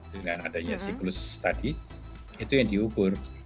dengan adanya siklus tadi itu yang diukur